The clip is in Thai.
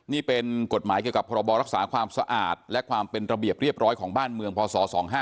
นี่เป็นกฎหมายเกี่ยวกับพรบรักษาความสะอาดและความเป็นระเบียบเรียบร้อยของบ้านเมืองพศ๒๕๖